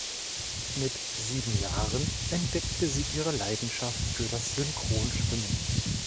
Mit sieben Jahren entdeckte sie ihre Leidenschaft für das Synchronschwimmen.